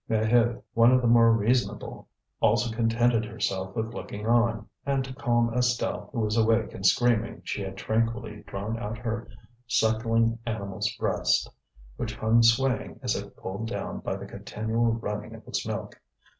Maheude, one of the more reasonable, also contented herself with looking on; and to calm Estelle, who was awake and screaming, she had tranquilly drawn out her suckling animal's breast, which hung swaying as if pulled down by the continual running of its milk.